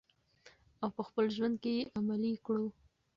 او په خپل ژوند کې یې عملي کړو.